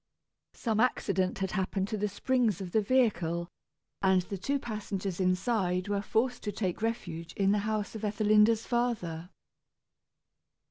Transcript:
Some accident had happened to the springs of the vehicle, and the two passengers inside were forced to take refuge in the house of Ethelinda's father.